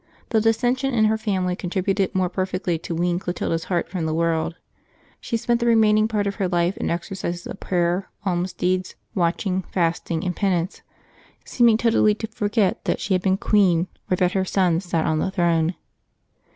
The dissension in her family contributed more perfectly to wean Clotilda's heart from the world. She spent the remaining part of her life in exercises of prayer, almsdeeds, watching, fast ing, and penance, seeming totally to forget that she had been queen or that her sons sat on the throne.